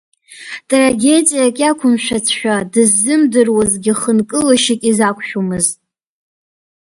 Трагедиак иақәымшәацшәа, дыззымдыруазгьы хынкылашьак изақәшәомызт.